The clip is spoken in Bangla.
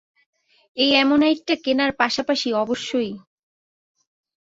এই অ্যামোনাইটটা কেনার পাশাপাশি, অবশ্যই।